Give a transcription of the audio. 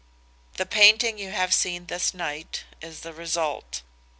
"The painting you have seen this night is the result.